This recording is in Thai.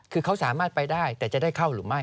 คือเขาสามารถไปได้แต่จะได้เข้าหรือไม่